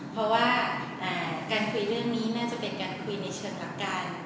เพราะว่าการคุยเรื่องนี้น่าจะเป็นการคุยในเชิงหลักการ